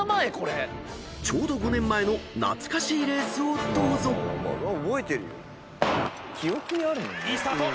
［ちょうど５年前の懐かしいレースをどうぞ］いいスタート。